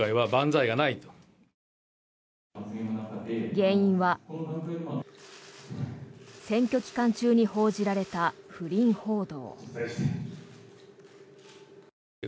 原因は選挙期間中に報じられた不倫報道。